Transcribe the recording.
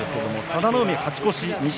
佐田の海は勝ち越しです。